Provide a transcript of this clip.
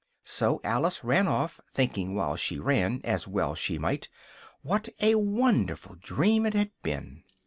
So Alice ran off, thinking while she ran (as well she might) what a wonderful dream it had been.